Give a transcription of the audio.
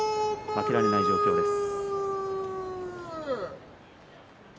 負けられない状況です。